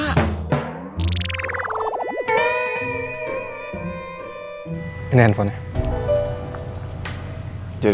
bisa bercanda lagi